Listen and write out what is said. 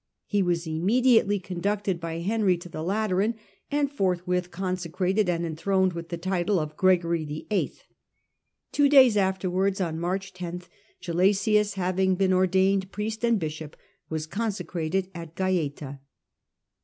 He was immediately conducted by Henry to the Lateran, and forthwith consecrated and enthroned with the title of Gregory VIII. Two days afterwards, on March 10, Gelasius, having been ordained priest and bishop, was consecrated at Gaeta.